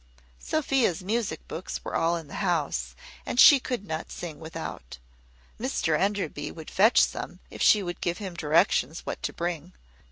Sophia's music books were all in the house, and she could not sing without. Mr Enderby would fetch some, if she would give him directions what to bring.